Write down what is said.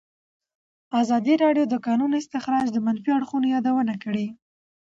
ازادي راډیو د د کانونو استخراج د منفي اړخونو یادونه کړې.